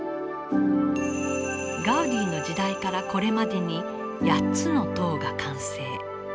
ガウディの時代からこれまでに８つの塔が完成。